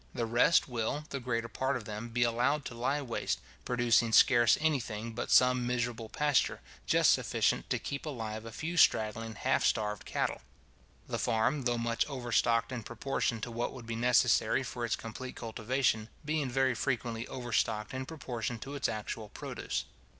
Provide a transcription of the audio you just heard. The rest will, the greater part of them, be allowed to lie waste, producing scarce any thing but some miserable pasture, just sufficient to keep alive a few straggling, half starved cattle; the farm, though much overstocked in proportion to what would be necessary for its complete cultivation, being very frequently overstocked in proportion to its actual produce.